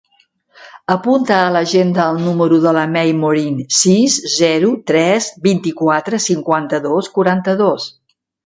Apunta a l'agenda el número de la Mei Morin: sis, zero, tres, vint-i-quatre, cinquanta-dos, quaranta-dos.